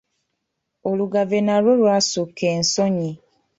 Olugave nalwo lwasukka ensonyi.